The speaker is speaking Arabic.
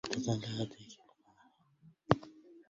لا تزال ليلى تعيش في القاهرة.